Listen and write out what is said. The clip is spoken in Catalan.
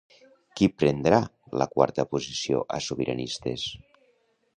Qui prendrà la quarta posició a Sobiranistes?